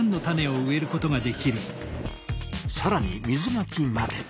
さらに水まきまで！